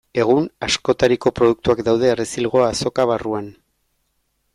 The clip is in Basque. Egun, askotariko produktuak daude Errezilgo Azoka barruan.